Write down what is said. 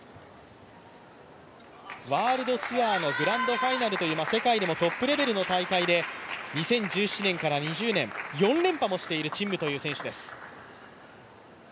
ワールドツアーのグランドファイナルという世界でもトップレベルの大会で２０１７年から２０年、４連覇もしている陳夢という選手です。